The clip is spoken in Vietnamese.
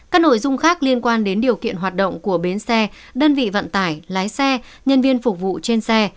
các nội dung khác liên quan đến điều kiện hoạt động của bến xe đơn vị vận tải lái xe nhân viên phục vụ trên xe